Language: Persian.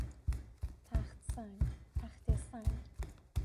تخت سنگ، تخته سنگ